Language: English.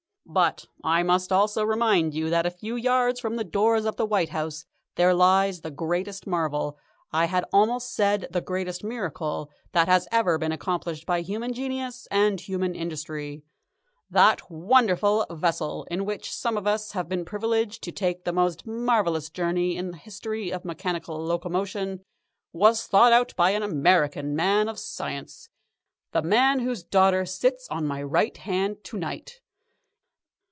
"But I must also remind you that a few yards from the doors of the White House there lies the greatest marvel, I had almost said the greatest miracle, that has ever been accomplished by human genius and human industry. That wonderful vessel in which some of us have been privileged to take the most marvellous journey in the history of mechanical locomotion was thought out by an American man of science, the man whose daughter sits on my right hand to night.